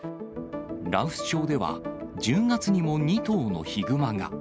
羅臼町では、１０月にも２頭のヒグマが。